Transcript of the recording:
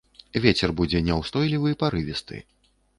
Вецер будзе няўстойлівы, парывісты.